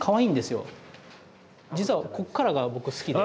実はこっからが僕好きで。